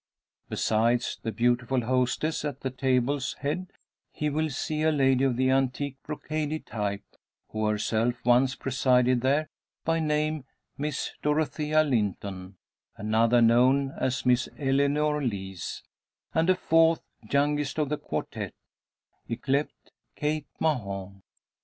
Besides the beautiful hostess at the table's head, he will see a lady of the "antique brocaded type," who herself once presided there, by name Miss Dorothea Linton; another known as Miss Eleanor Lees; and a fourth, youngest of the quartette, yclept Kate Mahon.